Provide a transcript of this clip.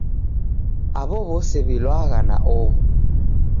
Aw'o w'ose w'ilwagha na oho.